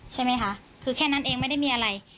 ใช่ไหมคะคือแค่นั้นเองไม่ได้มีอะไร